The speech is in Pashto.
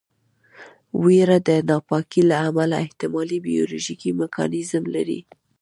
ویره د ناپاکۍ له امله احتمالي بیولوژیکي میکانیزم لري.